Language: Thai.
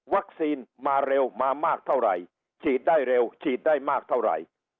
มาเร็วมามากเท่าไหร่ฉีดได้เร็วฉีดได้มากเท่าไหร่